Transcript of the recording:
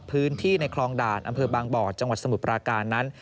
พื้นที่ในคลองด่านอำเภอบางบ่อจังหวัดสมุทรปราการนั้น